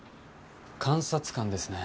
監察官ですね。